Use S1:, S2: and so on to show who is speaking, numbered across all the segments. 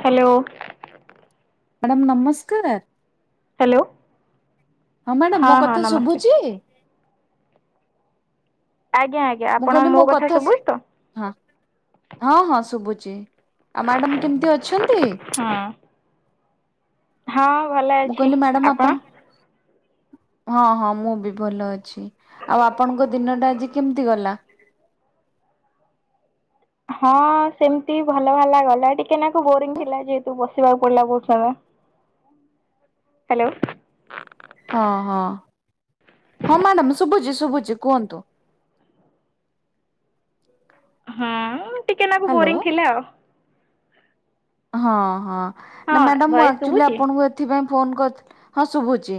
S1: Hello
S2: madam, ନମସ୍କାରା।
S1: Hello
S2: ହଁ madam ମୋ
S1: ହଁ
S2: କଥା
S1: ନମସ୍କାର।
S2: ଶୁଭୁଚି?
S1: ଆଜ୍ଞା ଆଜ୍ଞା, ଆପଣ ମୋ କଥା ଶୁଭୁଚି ତ?
S2: ହଁ ହଁ ହଁ ଶୁଭୁଚି। ଆଉ ମ୍ୟାଡ଼ାମ୍, କେମତି ଅଛନ୍ତି?
S1: ହଁ। ହଁ ଭଲ
S2: ମୁଁ
S1: ଅଛି।
S2: କହିଲି ମ୍ୟାଡ଼ାମ
S1: ଆପଣ?
S2: ହଁ ହଁ ମୁଁ ବି ଭଲ ଅଛି। ଆଉ ଆପଣଙ୍କ ଦିନ ଟା ଆଜି କେମତି ଗଲା?
S1: ହଁ ସେମତି ଭଲ ଭଲ ଗଲା। ଟିକେ ନାକୁ ବୋରିଂ ଥିଲା, ଯେହେତୁ ବସିବାକୁ ପଡ଼ିଲା ବହୁତ ସମୟ।
S2: [inaudible]
S1: ହ୍ୟାଲୋ
S2: ହଁ ହଁ ହଁ ମ୍ୟାଡ଼ାମ୍ ଶୁଭୁଚି ଶୁଭୁଚି। କୁହନ୍ତୁ।
S1: ହଁ ଟିକେ ନାକୁ
S2: ହ୍ୟାଲୋ।
S1: ବୋରିଂ ଥିଲା ଆଉ।
S2: ହଁ ହଁ ନା
S1: ହଁ
S2: ମ୍ୟାଡ଼ାମ୍ ମୁଁ
S1: ଭଏସ
S2: ଆକ୍ଚୁଆଲି
S1: ଶୁଭୁଛି?
S2: ଆପଣଙ୍କୁ ଏତ୍ ଏଥି ପାଇଁ ଫୋନ୍ କର ହଁ ଶୁଭୁଚି।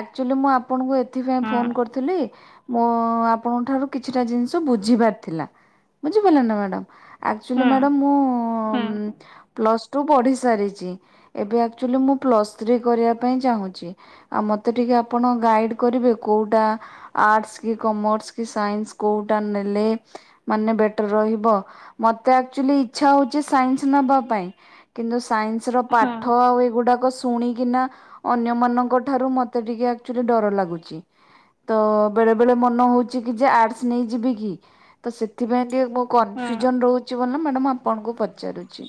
S2: ଆକ୍ଚୁଲି ମୁଁ ଆପଣଙ୍କୁ ଏଥିପାଇଁ
S1: ହୁଁ
S2: ଫୋନ୍ କରିଥିଲି। ମୋ ଆପଣଙ୍କ ଠାରୁ କିଛିଟା ଜିନିଷ ବୁଝିବାର ଥିଲା। ବୁଝିପାରିଲେ ନା ମ୍ୟାଡ଼ାମ୍? ଆକ୍ଚୁଲି
S1: ହୁଁ
S2: ମ୍ୟାଡ଼ମ୍,
S1: ହୁଁ
S2: ମୁଁ ପ୍ଲସ୍ ଟୁ ପଢ଼ି ସାରିଚି। ଏବେ ଆକ୍ଚୁଆଲି ମୁଁ ପ୍ଲସ୍ ଥ୍ରୀ କରିବା ପାଇଁ ଚାହୁଁଚି। ଆଉ, ମତେ ଟିକେ ଆପଣ ଗାଇଡ୍ କରିବେ କୋଉଁଟା? ଆର୍ଟସ୍ କି କମର୍ସ୍ କି ସାଇନ୍ସ୍, କୋଉଁଟା ନେଲେ? ମାନେ ବେଟର ରହିବ ମତେ? ଆକ୍ଚୁଲି ଇଚ୍ଛା ହେଉଚି ସାଇନ୍ସ୍ ନେବା ପାଇଁ କିନ୍ତୁ ସାଇନ୍ସ ର
S1: ହୁଁ
S2: ପାଠ ଏଇଗୁଡ଼ାକ? ଶୁଣିକି ନା ଅନ୍ୟମଙ୍କଠାରୁ ମତେ ଟିକେ ଆକ୍ଚୁଲି ଡର ଲାଗୁଚି। ତ ବେଳେବେଳେ ମନ ହେଉଚି କି ଯେ ଆର୍ଟସ୍ ନେଇଯିବି କି? ତ ସେଥିପାଇଁ ଟିକେ ମୋ
S1: ହୁଁ।
S2: କନଫ୍ୟୁଜନ ରହୁଚି [unintelligible] ମ୍ୟାଡ଼ମ୍ ଆପଣଙ୍କୁ ପଚାରୁଛି।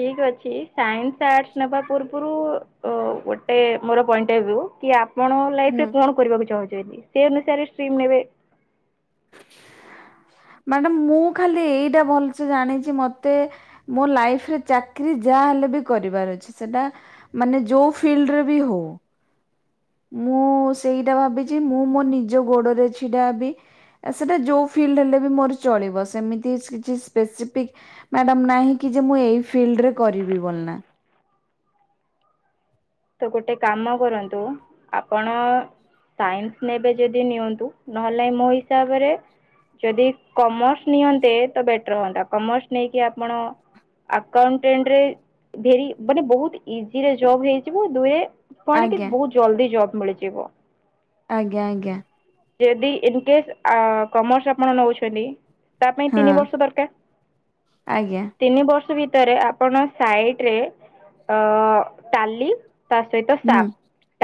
S1: ଠିକ୍ ଅଛି। ସାଇନ୍ସ୍ ଆର୍ଟସ୍ ନେବା ପୂର୍ବୁରୁ ଗୋଟେ ମୋର ପଏଣ୍ଟ [unintelligible] କି ଆପ୍ ପଣ ଲାଇଫ୍
S2: ହୁଁ
S1: ରେ କଣ କରିବାକୁ ଚାହୁଁଚନ୍ତି ସେ ଅନୁସାରେ ଷ୍ଟ୍ରିମ୍ ନେବେ।
S2: ମ୍ୟାଡାମ ମୁଁ ଖାଲି ଏଇଟା ଭଲସେ ଜାଣିଛି ମତେ ମୋ ଲାଇଫ ରେ ଚାକିରୀ ଯାହାହଲେ ବି କରିବାର ଅଛି ସେଟା ମାନେ ଯୋଉ ଫିଲ୍ଡ ରେ ବି ହଉ। ମୁଁ ସେଇଟା ଭାବିଛି ମୁଁ ମୋ ନିଜ ଗୋଡରେ ଛିଡା ହେବି। ସେଇଟା ଯେଉଁ ଫିଲ୍ଡ ହେଲେ ବି ମୋର ଚଳିବ ସେମିତି କିଛି ସ୍ପେସିଫିକ୍ ମ୍ୟାଡାମ ନାହିଁ କି ଯେ ମୁଁ ଏଇ ଫିଲ୍ଡରେ କରିବି ବୋଲି ନା।
S1: ତ ଗୋଟେ କାମ କରନ୍ତୁ ଆପଣ ସାଇନ୍ସ ନେବେ ଯଦି ନିଅନ୍ତୁ ନହେଲେ ମୋ ହିସାବରେ ଯଦି କମର୍ସ ନିଅନ୍ତେ ତ ବେଟର ହୁଅନ୍ତା କମର୍ସ ନେଇକି ଆପଣ ଆକାଉଣ୍ଟରେ ରେ ମାନେ ବହୁତ ଇଜିରେ ଜବ ହେଇ ଯିବ ଦୁଇରେ କଣ କି
S2: ଆଜ୍ଞା
S1: ବହୁତ ଜଲଦି ଜବ୍ ମିଳିଯିବ।
S2: ଆଜ୍ଞା ଆଜ୍ଞା
S1: ଯଦି ଇନକେସ୍ କମର୍ସ ଆପଣ ନେଉଛନ୍ତି ତା ପାଇଁ
S2: ହଁ
S1: ତିନି ବର୍ଷ ଦରକାର
S2: ଆଜ୍ଞା
S1: ତିନି ବର୍ଷ ଭିତରେ ଆପ ଆପଣ ସାଇଡ ରେ ଟାଲି ତା ସହିତ
S2: ହୁଁ
S1: ସାପ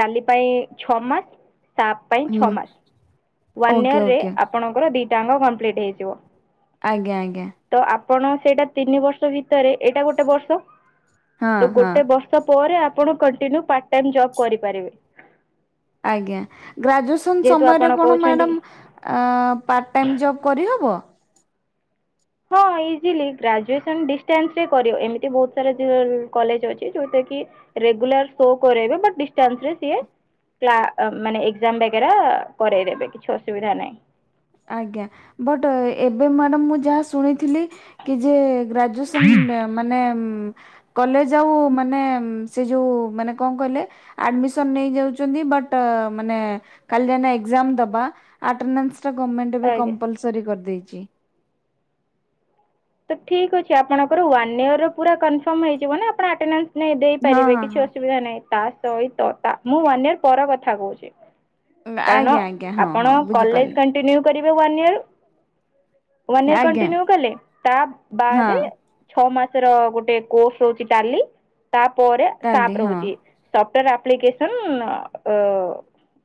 S1: ଡାଲି ପାଇଁ ଛଅ ମାସ ସାପ ପାଇଁ ଛଅ
S2: ହୁଁ
S1: ମାସ। ୱାନ୍ ଇୟର
S2: ଓକେ
S1: ରେ
S2: ଓକେ
S1: ଆପଣଙ୍କର ଦୁଇଟାଙ୍କ କମ୍ପ୍ଲିଟ୍ ହେଇଯିବ।
S2: ଆଜ୍ଞା ଆଜ୍ଞା
S1: ତ ଆପଣ ସେଇଟା ତିନି ବର୍ଷ ଭିତରେ ଏଇଟା ଗୋଟେ ବର୍ଷ
S2: ହଁ
S1: ତ
S2: ହଁ।
S1: ଗୋଟେ ବର୍ଷ ତାପରେ ଆପଣ କଣ୍ଟିନ୍ୟୁ ପାର୍ଟ ଟାଇମ ଜବ୍ କରିପାରିବେ।
S2: ଆଜ୍ଞା ଗ୍ରାଜୁଏସନ୍
S1: ଯେହେତୁ
S2: ସମୟରେ
S1: ଆପଣ
S2: କଣ
S1: କହୁଛନ୍ତି
S2: ମ୍ୟାଡ଼ମ୍ ଆ ପାର୍ଟ ଟାଇମ୍ ଜବ୍ କରିହବ?
S1: ହଁ ଇଜିଲି ଗ୍ରାଜୁଏସନ ଡିଷ୍ଟାନ୍ସ ରେ କରିବ ଏମିତି ବହୁତ ସାରା କଲେଜ ଅଛି ଯୋଉଟା କି ରେଗୁଲାର ଶୋ କରାଇବେ ବଟ୍ ଡିଷ୍ଟାନ୍ସ ରେ ସିଏ ମାନେ ଏକ୍ଜାମ ବଗେରା କରରେଇଦେବେ କିଛି ଅସୁବିଧା ନାହିଁ।
S2: ଆଜ୍ଞା ବଟ୍ ଏବେ ମ୍ୟାଡ଼ାମ ମୁଁ ଯାହା ଶୁଣିଥିଲି କି ଯେ ଗ୍ରାଜୁଏସନ୍ ମାନେ କଲେଜ ଆଉ ମାନେ ସେ ଯୋଉ ମାନେ କଣ କହିଲେ ଆଡମିସନ ନେଇଯାଉଛନ୍ତି ବଟ ମାନେ ଖାଲି ଯାଇନା ଏକ୍ଜାମ ଦବା ଆଟେନାନ୍ସ ଗଭର୍ଣ୍ଣମେଣ୍ଟ ଏବେ
S1: ଆଜ୍ଞା
S2: କମ୍ପଲସରି କରିଦେଇଛି।
S1: ତ ଠିକ ଅଛି ଆପଣଙ୍କର ୱାନ୍ ଇୟର ର ପୁରା କନଫର୍ମ ହେଇଯିବନା ଆପଣ ଆଟେନାନ୍ସ ନାଇଁ
S2: ହଁ
S1: ଦେଇପାରିବେ
S2: ହଁ
S1: କିଛି
S2: ହଁ।
S1: ଅସୁବିଧା ନାହିଁ। ତା ସହିତ ତା ମୁଁ ଇୟର ପର କଥା କହୁଛି। କାରଣ
S2: ଆଜ୍ଞା ଆଜ୍ଞା ହଁ
S1: ଆପଣ
S2: ହଁ
S1: କଲେଜ
S2: ବୁଝିପାରିଲି
S1: କଣ୍ଟିନ୍ୟୁ କରିବେ ୱାନ ଇୟର ୱାନ ଇୟର
S2: ଆଜ୍ଞା
S1: କଣ୍ଟିୁନ୍ୟୁ କଲେ ତା
S2: ହଁ
S1: ବାଦେ ଛଅ ମାସର ଗୋଟେ କୋର୍ସ ରହୁଛି ଟାଲି ତା ପରେ ସାପ
S2: ଟାଲି ହଁ।
S1: ରହୁଛି। ସଫ୍ଟୱାରେ ଆପ୍ଲିକେସନ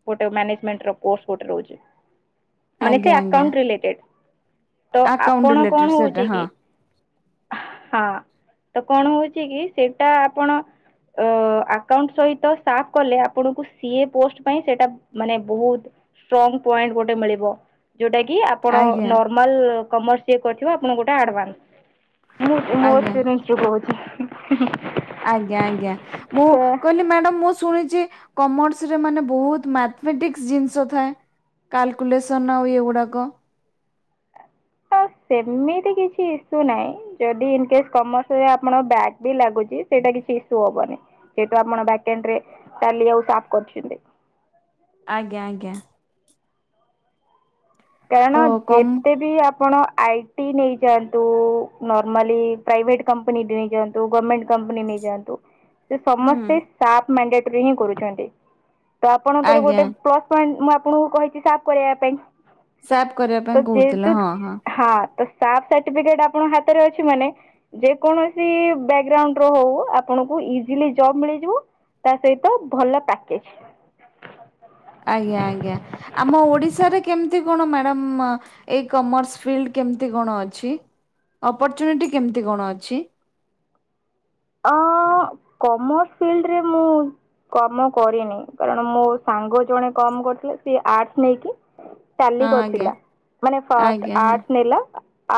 S1: ଗୋଟେ ମ୍ୟାନେଜମେଣ୍ଟ ର କୋର୍ସ ଗୋଟେ ରହୁଛି।
S2: [inaudible]
S1: ମାନେ ସେ
S2: ଆଜ୍ଞା
S1: ଆକାଉଣ୍ଟ ରିଲେଟେଡ ତ
S2: ଆକାଉଣ୍ଟ
S1: ଆପଣ
S2: ରିଲେଟେଡ୍
S1: କଣ ହଉଛି କି
S2: [inaudible]
S1: ହଁ ତ କଣ ହଉଛି କି ସେଇଟା ଆପଣ ଆକାଉଣ୍ଟ ସହିତ ସାପ କଲେ ଆପଣଙ୍କୁ ସିଏ ପୋଷ୍ଟ ପାଇଁ ସେଇଟା ମାନେ ବହୁତ ଷ୍ଟ୍ରଙ୍ଗ ପଏଣ୍ଟ ଗୋଟେ ମିଳିବ। ଯୋଉଟା କି ଆପଣ
S2: ଆଜ୍ଞା
S1: ନର୍ମାଲ କମର୍ସ କରିଥିବେ ଆପଣଙ୍କୁ ଗୋଟେ ଆଡଭାନ୍ସ। ମୁଁ ମୋ
S2: ଆଜ୍ଞା।
S1: ଏସପିରିନ୍ସ ରୁ କହୁଛି।
S2: ଆଜ୍ଞା ଆଜ୍ଞା ମୁଁ
S1: ତ
S2: କହିଲି ମ୍ୟାଡାମ ମୁଁ ଶୁଣିଛି କମର୍ସ ରେ ମାନେ ବହୁତ ମାଥମେଟିକ୍ସ ଜିନିଷ ଥାଏ।। କାଲକୁଲେସନ୍ ଆଉ ଏଗୁଡ଼ାକ।
S1: ତ ସେମିତି କିଛି ଇସ୍ୟୁ ନାହିଁ ଯଦି ଇନ କେସ୍ କମର୍ସ ରେ ଆପଣ ବ୍ୟାଗ୍ ବି ଲାଗୁ ସେଇଟା କିଛି ଇସୁ ହବନି ଯେହେତୁ ଆପଣ ଭାକେଣ୍ଡରେ ଟାଲି ଆଉ ଶାପ କରିବନ୍ତି।
S2: ଆଜ୍ଞା ଆଜ୍ଞା। ତ
S1: କେଣ
S2: କମ
S1: ଯେତେ ବି ଆପଣ ଆଇ ଟି ନେଇଯାଆନ୍ତୁ ନର୍ମାଲି ପ୍ରାଇଭେଟ କମ୍ପାନୀ ନେଇଯାଆନ୍ତୁ ଗଭର୍ଣ୍ଣମେଣ୍ଟ କମ୍ପାନୀ ନେଇଯାଆନ୍ତୁ। ସେ
S2: ହୁଁ
S1: ସମସ୍ତେ ସାଫ ମଣ୍ଡେଟରୀ ହିଁ କରୁଛନ୍ତି ତ ଆପଣଙ୍କର
S2: ଆଜ୍ଞା
S1: ଗୋଟେ ପ୍ଲସ୍ କ ମୁଁ ଆପଣଙ୍କୁ କହିଛି ସାଫ୍ କରିବା ପାଇଁ।
S2: ସାପ୍ କରିବା ପାଇଁ। କହୁଥିଲେ
S1: ଯେହେତୁ
S2: ହଁ
S1: ହଁ ତ ସାପ ସାରଠିପିକେଟ ଆପଣଙ୍କ ହାତରେ ଅଛି ମାନେ ଯେ କୌଣସି ବ୍ୟାକଗ୍ରାଉଣ୍ଡ ର ହଉ ଆପଣଙ୍କୁ ଇଜିଲି ଜବ ମିଳିଯିବ। ତା ସହିତ ଭଲ ପ୍ୟାକେଜ।
S2: ଆଜ୍ଞା ଆଜ୍ଞା ଆମ ଓଡିଶାରେ କେମିତି କଣ ମ୍ୟାଡାମ ଅ ଏଇ କମର୍ସ ଫିଲ୍ଡ କେମିତି କଣ ଅଛି ଅପର୍ଚୁନିଟି କେମିତି କଣ ଅଛି?
S1: ଅଁ କମର୍ସ ଫିଲ୍ଡରେ ମୁଁ - କାମ କରିନି କାରଣ ମୋ ସାଙ୍ଗ ଜଣେ କମର କରିୁଥିଲା ସିଏ ଆର୍ଟସ ନେଇକି। ଟାଲି
S2: ହଁ ଆଜ୍ଞା
S1: କରିଥିଲା ମାନେ ଫାଷ୍ଟ
S2: ଆଜ୍ଞା ହଁ
S1: ଆର୍ଟସ ନେଲା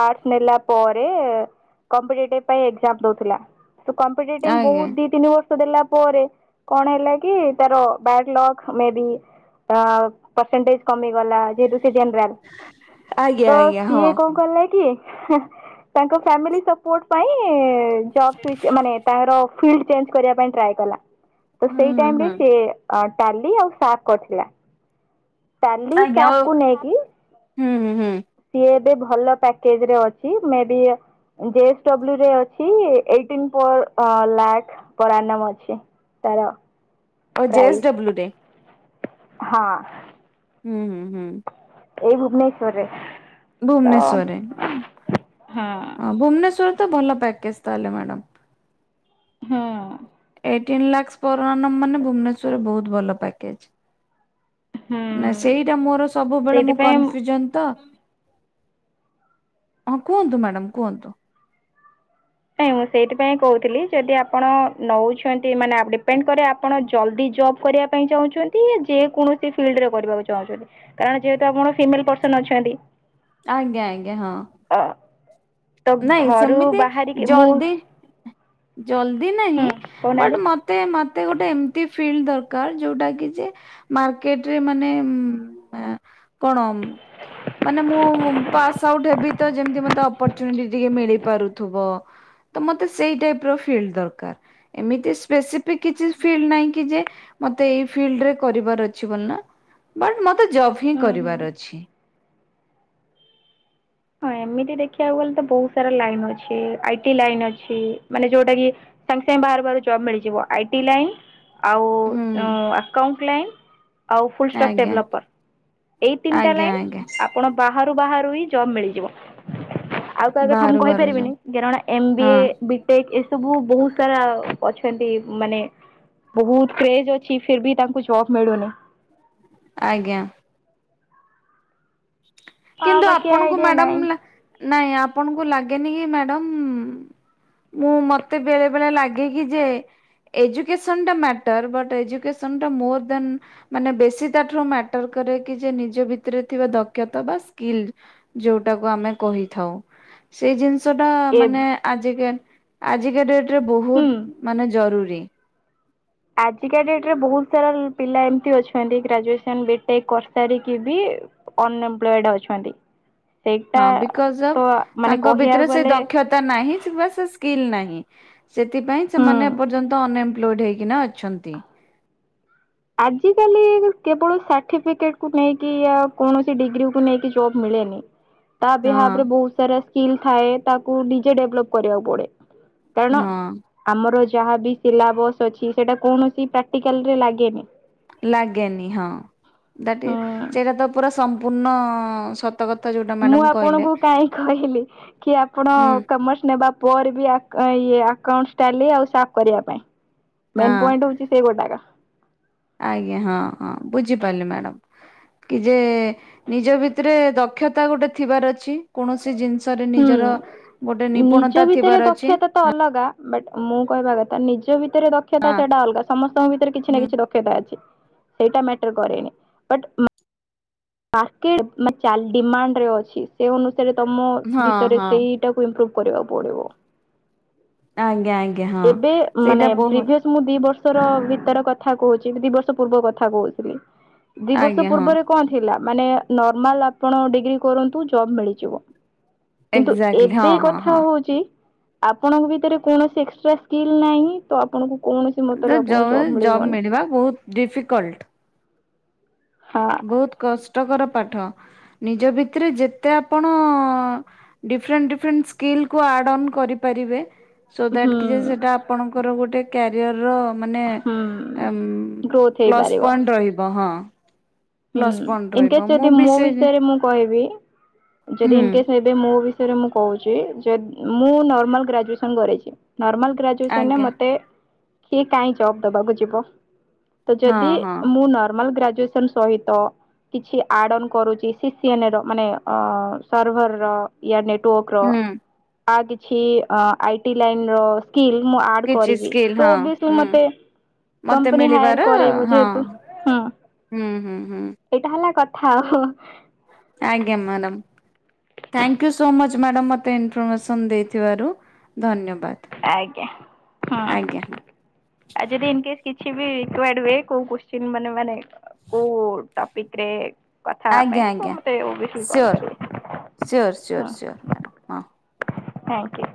S1: ଆର୍ଟସ ନେଲା ପରେ କମ୍ପିଟେଟିଭ ପାଇଁ ଏକ୍ଜାମ ଦଉଥିଲା। କମ୍ପିଟେଟିଭ
S2: ଆଜ୍ଞା
S1: ବହୁତ ଦିତିନି ବର୍ଷ ଦେଲା ପରେ କଣ ହେଲା କି ତାର ବ୍ୟାଡଲକ୍ ମେ ବି ତା ପରସେଣ୍ଟେଜ କମି ଗଲା ଯେ ହେତୁ ସେ ଜେନରାଲ।
S2: ଆଜ୍ଞା
S1: ତ
S2: ଆଜ୍ଞା ହଁ।
S1: ସିଏ କଣ କଲା କି। ତାଙ୍କ ଫାମିଲି ସତେ ପାଇଁ ଜବ ମାନେ ତାର ଫିଲ୍ଡ ଚେଞ୍ଜ କରିବା ପାଇଁ ଟ୍ରାଏ କଲା ତ
S2: ହୁଁ
S1: ସେଇ
S2: ହୁଁ
S1: ଟାଇମରେ
S2: ହୁଁ
S1: ସେ ଅ ଟାଲି ଆଉ ସାକ୍ କରିଥିଲା। ଟାଲି
S2: ଆଜ୍ଞା
S1: ସାପ
S2: ଓ
S1: କୁ ନେଇକି
S2: ହୁଁ ହୁଁ ହୁଁ
S1: ସିଏ ଏବେ ଭଲ ପ୍ୟାକେଜ ରେ ଅଛି ମେ ବି ଜେ ଏସ୍ ଡବ୍ଲୁ ରେ ଅଛି ଏ। ଟିମ୍ ପୋର୍ ଅଲ୍ ଲାଇମି
S2: ଓ ଜେଏସ୍ଡବ୍ଲ୍ୟୁ େ?
S1: ହଁ।
S2: ଉୁଁ ହୁଁ ହୁଁ।
S1: ଏଇ ଭୁବନେଶ୍୍ୱର ରେ
S2: ଭୁବନେଶ୍ଵରରେ
S1: ହଁ
S2: ଭୁବନେଶ୍ରରେ ତ ଭଲ ପ୍ୟାକେଜ ତାହେଲେ ମ୍ୟାଡ଼ ଏ।
S1: ହଁ।
S2: ଟେଲ୍ତେ [unintelligible] ନା
S1: ହୁଁ।
S2: ସେଇଟା ମୋର ସବୁବେଳେ ମୁଁ
S1: ସେଇଥିପାଇଁ
S2: କ'ନଫ୍ୟୁଜନ ତ ହଁ କୁହନ୍ତୁ ମ୍ୟାଡ଼ାମ କୁହନ୍ତୁ?
S1: ନାଇଁ ମୁଁ ସେଇଥିପାଇଁ କହୁଥିଲି ଯଦି ଆପଣ ନଉଛନ୍ତି ମାନେ ଡିପେଣ୍ଡ କରେ ଆପଣ ଜଲ୍ଦି ଜବ୍। କରିବା ପାଇଁ ଚାହୁଁଛନ୍ତି ଯେ କୌଣସି ଫିଲ୍ଡରେ କରିବାକୁ ଚାହୁଁଛନ୍ତି? କାରଣ ଯେହେତୁ ଆପଣ ସିମିଲ୍ କପ୍ରସ୍ନ ନ ଅଛନ୍ତି
S2: ଆଜ୍ଞା ଆଜ୍ଞା ହଁ।
S1: ଆ ତ ଘରୁ ବାହାରି କ
S2: ଜଲିଦି ଜଲିନ୍ଧି ନାହିଁ
S1: ହୁଁ କହୁନାହାନ୍ତି
S2: ମତେ ମତେ ଗୋଟେ ଏମିତି ଫିଲ୍ଡ ଦରକାର ଯୋଉଟା କି ଯେ ମାର୍କେଟ ରେ ମାନେ ଉଁ କଣ ଉଁ? ମାନେ ମୁଁ ପାସ୍ ଆଉଟ ହେବି ତ ଯେମତି ମତେ ଅପ ଚୁନିଟୀ ଟିକେ ମିଳିପାରୁଥୁବ ତ ମତେ ସେଇ ଟାଇପ ର ଫିଲ୍ଡ ଦରକାର ଏମିତି ସ୍ପେସିଫିକ କିଛି ଫିଲ୍ଡ ନହିଁ କି ଯେ ମତେ ଏଇ ଫିଲ୍ଡ ରେ କରିବାର ଅଛି ବୋଲି ନା ବଟ୍ ମତେ ଜବ ହିଁ
S1: ହୁଁ ହୁଁ
S2: କରିବାର ଅଛି।
S1: ହଁ ଏମିତି ଦେଖିବାକୁ ଗଲେ ତ ବହୁତ ସାରା ଲାଇନ ଅଛି, ଆଇଟି ଲାଇନ୍ ଅଛି ମାନେ ଯୋଉଟା କି ସାଙ୍ଗେ ସାଙ୍ଗେ ବାହାରୁ ବାହାରୁ ଜବ୍ ମିଳିଯିବ ଆଇ ଟି ଲାଇନ୍ ଆଉ
S2: ହୁଁ
S1: ଉଁ ଆକାଉଣ୍ଟ ଲାଇନ୍ ଆଉ ଫୁଲ ଷ୍ଟପ୍
S2: ଆଜ୍ଞା
S1: ଡେଭଲପର, ଏଇ ତିନିଟା
S2: ଆଜ୍ଞା
S1: ଲାଇନ୍
S2: ଆଜ୍ଞା
S1: ଆପଣ ବାହାରୁ ବାହାରୁ ହିଁ ଜବ୍ ମିଳି ବ ଆଉ କାହା କଥା ମୁଁ
S2: ବାହାରୁ ବାହାରୁ ଯଉ
S1: କହିପାରିବିନି କରଣ ଏମ ବି
S2: ହଁ
S1: ଏ ସେ ଏସବୁ ବହୁତ ସାରା ଅ ଅଛନ୍ତି ମାନେ ବହୁତ କ୍ରେଜ୍ ଅଛି ଫିର୍ ବି ତାଙ୍କୁ ଜବ ମିଳୁନି
S2: ଆଜ୍ଞା
S1: ଆଉ
S2: କିନ୍ତୁ
S1: ବାକି
S2: ଆପଣଙ୍କୁ
S1: ଆଇଡିଆ ନାହିଁ
S2: ମ୍ୟାଡମ୍ ନାଇଁ ଆପଣଙ୍କୁ ଲାଗେନି କି ମ୍ୟାଡାମ ମୁଁ ମତେ ବେଳେ ବେଳେ ଲାଗେ କିି ଯେ ଏଜୁକେସନ୍ ଟା ମ୍ୟାଟର୍ ବଟ୍ ଏଜୁକେସନ୍ ଟା ମୋର ଦେନ୍ ମାନେ ବେଶୀ ତାଠାରୁ ମ୍ୟାଟର କରେ କି ଯେ ନିଜ ଭିତରେ ଥିବା ଦକ୍ଷତା ବାସ୍ ସ୍କିଲ୍ ଯୋଉଟାକୁ ଆମେ କହିଥାଉ ସେଇ ଜିନିଷ ଟା
S1: ଏ
S2: ମାନେ ଆଜିକା ଆଜିକା ଡେଟରେ
S1: ହୁଁ।
S2: ବହୁତ ମାନେ ଜରୁରୀ।
S1: ଆଜିକା ଡେଟ୍ ରେ ବହୁତ ସାରା ପିଲା ଏମିତି ଅଛନ୍ତି ଗ୍ରାଜୁଏସନ ବିଟେକ୍ କରସାରିକି ବି ଅନଏମ୍ପ୍ଲଏଡ ଅଛନ୍ତି। ସେଇଟା
S2: ହଁ ବିକଜ
S1: ତ ମାନେ କହିବାକୁ ଗଲେ
S2: ତା ନାହି ସେ ବାସ ସ୍କିିଲ୍ ନାହିଁ। ସେଥିପାଇଁ ସେମାନେ
S1: ହୁଁ।
S2: ଏପର୍ଯ୍ୟନ୍ତ ଅନଏମ୍ପ୍ଲୋଏଡ ହେଇକିନା ଅଛନ୍ତି।
S1: ଆଜିକାଲି କେବଳ ସାର୍ଟିଫିକେଟକୁ ନେଇକି ୟ କୌଣସି ଡିଗ୍ରୀକୁ ନେଇକି ଜବ୍ ମିଳେନି।
S2: ହଁ
S1: ତା ବିହାଫ୍ ରେ ବହୁତ ସାରା ସ୍କିଲ୍ ଥାଏ ତାକୁ ନିଜେ ଡେଭଲପ୍ କରିବାକୁ ପଡେ। କାରଣ
S2: ହଁ
S1: ଆମର ଯାହାବି ସିଲାବସ୍ ଅଛି ସେଇଟା କୌଣସି ପ୍ରାକ୍ଟିକାଲ୍ ରେ ଲାଗେନି।
S2: ଲାଗେନି ହଁ, ଦାଟି
S1: ହୁଁ
S2: ସେଇଟା ତ ପୁରା ସମ୍ପୂର୍ଣ୍ଣ ସତ କଥା ଯୋଉଟା
S1: ମୁଁ
S2: ମ୍ୟାଡାମ କହିଲେ।
S1: ଆପଣଙ୍କୁ କାହିଁ କହିଲି କି ଆପଣ
S2: ହୁଁ
S1: କମର୍ସ ନେବା ପରେ ବି ଆକା ଇଏ ଆକାଉନ୍ ଷ୍ଟାଲି ଆଉ ସାଫ୍ କରିବା ପାଇଁ। ମେନ୍
S2: ହଁ
S1: ପଏଣ୍ଟ ହଉଛି ସେ ଗୋଟାକ।
S2: ଆଜ୍ଞା ହଁ ହଁ ବୁଝିପାରିଲି ମ୍ୟାଡ଼ାମ୍। କି ଯେ ନିଜ ଭିତରେ ଦକ୍ଷତା ଗୋଟେ ଥିବାର ଅଛି। କୌଣସି ଜିନିଷରେ ନିଜର
S1: ହୁଁ।
S2: ଗୋଟେ ନିପୁଣତା
S1: ନିଜ ଭିତରେ
S2: ଥିବାର ଅଛି।
S1: ଦକ୍ଷତା ତ ଅଲଗା ବଟ୍ ମୁଁ କହିବା କଥା ନିଜ ଭିତରେ ଦକ୍ଷତା
S2: ହଁ
S1: ସେଇଟା ଅଲଗା ସମସ୍ତଙ୍କ ଭିତରେ କିଛି ନା
S2: ହୁଁ
S1: କିଛି ଦ କ୍ଷତା ଅଛି ସେଇଟା ମେଟର୍ କରେନି ବଟ୍ ଉଁ ମାର୍କେଟ ମା ଚାଲି ଡିମାଣ୍ଡରେ ଅଛି ସେ ଅନୁସାରେ ତମ
S2: ହଁ
S1: ଭିତରେ
S2: ହଁ
S1: ସେଇ ଟାକୁ ଇମ୍ପ୍ରୋଭ କରିବାକୁ ପଡ଼ିବ।
S2: ଆଜ୍ଞା ଆଜ୍ଞା ହଁ।
S1: ଏବେ
S2: ସେଇଟା
S1: ମାନେ
S2: ବହୁତ
S1: ପ୍ରିଭିୟସ୍ ମୁଁ ଦି ବର୍ଷର ଭିତର କଥା କହୁଚି, ଦି ବର୍ଷ ପୂର୍ବ କଥା କହୁଥିବି ଦି ବର୍ଷ
S2: ଆଜ୍ଞା ହଁ
S1: ପୂର୍ବରେ କଣ ଥିଲା? ମାନେ ନର୍ମାଲ ଆପଣ ଡିଗ୍ରୀ କରନ୍ତୁ ଜବ୍ ମିଳିଯିବ। କିନ୍ତୁ
S2: ଏକ୍ଜାକ୍ଟଲି
S1: ଏବେ
S2: ହଁ ହଁ
S1: କଥା
S2: ହଁ
S1: ହଉଚି ଆପଣଙ୍କ ଭିତରେ କୌଣସି ଏକ୍ସଟ୍ରା ସ୍କିଲ୍ ନାହିଁ ତ ଆପଣଙ୍କୁ କୌଣସି
S2: ତ
S1: ମତରେ ଆପଣଙ୍କୁ
S2: ଜଅ ଜବ୍
S1: ମିଳିବନି।
S2: ମିଳିବା ବହୁତ ଡିଫିକଲ୍ଟ।
S1: ହଁ।
S2: ବହୁତ କଷ୍ଟକର ପାଠ। ନିଜ ଭିତରେ ଯେତେ ଆପଣ ଡିଫରେଣ୍ଟ ଡିଫରେଣ୍ଟ ସ୍କିଲ୍ କୁ ଆଡ୍ ଅନ୍ କରିପାରିବେ। ସୋ ଦ୍ଯାଟ
S1: ହୁଁ
S2: କି ଯେ ସେଟା ଆପଣଙ୍କର ଗୋଟେ କ୍ୟାରିୟର ର ମାନେ
S1: ହୁଁ ଗ୍ରୋଥ୍
S2: ପ୍ଲସ୍
S1: ହେଇପାରିବ।
S2: ପଏଣ୍ଟ ରହିବ। ହଁ।
S1: ହୁଁ।
S2: ପ୍ଲସ୍ ପଏଣ୍ଟ ରହିବ
S1: ଇନକେସ୍
S2: ମୁଁ
S1: ଯଦି
S2: ବି
S1: ମୋ
S2: ସେ
S1: ବିଷୟରେ ମୁଁ କହିବି, ଯଦି
S2: ହୁଁ
S1: ଇନକେସ୍ ଏ ମୋ ବିଷୟରେ ମୁଁ କହୁଛି ଯଦି ମୁଁ ନର୍ମାଲ ଗ୍ରାଜୁଏସନ୍ କରିଛି। ନର୍ମାଲ ଗ୍ରାଜୁ ଗ୍ରାଜୁଏସନରେ
S2: ଆଜ୍ଞା
S1: ମୋତେ କିଏ କାଇଁ ଜବ୍ ଦବାକୁ ଯିବ? ତ
S2: ହଁ
S1: ଯଦି
S2: ହଁ
S1: ମୁଁ ନର୍ମାଲ ଗ୍ରାଜୁଏସନ ସହିତ କିଛି ଆଡ଼ ଅନ କରୁଛି ସି ସେମ୍ ର ମାନେ ଅ ସର୍ଭର ର ୟା ନେଟୱାର୍କର
S2: ହୁଁ
S1: ଆ କିଛି ଆ ଆଇ ଟି ଲାଇନର ସ୍କିଲ୍ ମୁଁ ଆଡ୍
S2: କିଛି
S1: କରିବି।
S2: ସ୍କିଲ୍
S1: ତ
S2: ହଁ
S1: ଅବସ୍ୟ
S2: ହୁଁ
S1: ମତେ
S2: ମତେ
S1: କମ୍ପାନୀ ହାୟର
S2: ମିଳିବାର
S1: କରବ
S2: ହଁ
S1: ଯେହେତୁ
S2: ହୁଁ ହୁଁ ହୁଁ।
S1: ଏଇଟା ହେଲା କଥା। ହୁଁ।
S2: ଆଜ୍ଞା madam. Thank you so much madam ମୋତେ ଇନଫର୍ମେସନ୍ ଦେଇଥିବାରୁ। ଧନ୍ୟବାଦ୍।
S1: ଆଜ୍ଞା। ଆଉ ଯଦି ଇନକେସ୍ କିଛି ବି କୁଆଡୁ ହୁଏ, କୋଉ କୋଶ୍ଚିନ ମାନେ ମାନେ କୋଉ ଟପିକ୍ ରେ କଥା ହେବା
S2: ଆଜ୍ଞା
S1: ପାଇଁ ତ
S2: ଆଜ୍ଞା
S1: ମତେ ବିଶୁ କଲ
S2: ସିଓର୍
S1: କରେ।
S2: ସିଓର୍ ସିଓର୍ ସିଓର୍ ମ୍ୟାଡ଼ାମ୍ ହଁ।
S1: ହଁ କି।